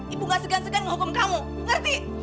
ibu gak segan segan menghukum kamu ngerti